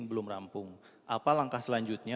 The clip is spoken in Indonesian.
terima kasih